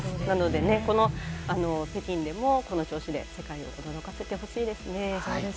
なので、この北京でもこの調子で世界を驚かせてほしいです。